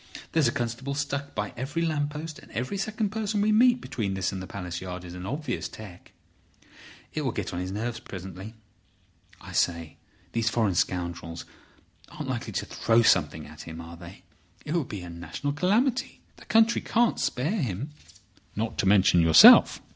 There's a constable stuck by every lamp post, and every second person we meet between this and Palace Yard is an obvious 'tec.' It will get on his nerves presently. I say, these foreign scoundrels aren't likely to throw something at him—are they? It would be a national calamity. The country can't spare him." "Not to mention yourself.